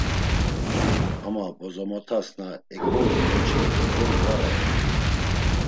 Ama bozomotas na eǩvouy ǩoçi endoli var ayert̆u.